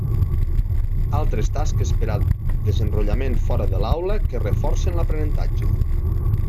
Altres tasques per a desenrotllament fora de l'aula que reforcen l'aprenentatge.